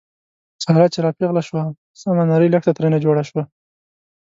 ساره چې را پېغله شوه، سمه نرۍ لښته ترېنه جوړه شوه.